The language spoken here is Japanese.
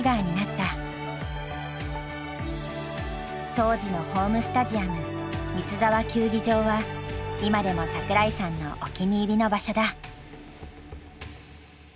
当時のホームスタジアム三ツ沢球技場は今でも桜井さんのお気に入りの場所だ。